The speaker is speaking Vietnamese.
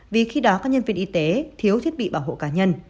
vì khi đó các nhân viên y tế thiếu thiết bị bảo hộ